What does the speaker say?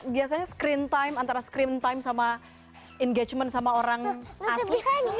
biasanya screen time antara screen time sama engagement sama orang asli